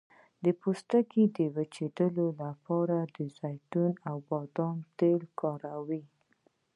د پوستکي د وچیدو لپاره د زیتون او بادام تېل وکاروئ